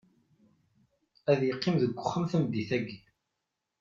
Ad iqqim deg uxxam tameddit-aki.